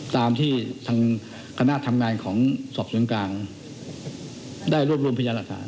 ตามที่ทางขณะทำงานของสอบส่วนกลางได้รวบรวมพิจารณสาร